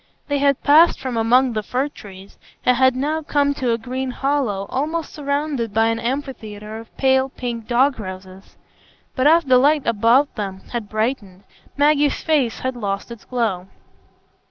They had passed from among the fir trees, and had now come to a green hollow almost surrounded by an amphitheatre of the pale pink dog roses. But as the light about them had brightened, Maggie's face had lost its glow.